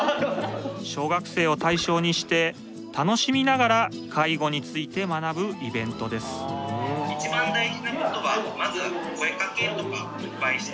小学生を対象にして楽しみながら介護について学ぶイベントですはい。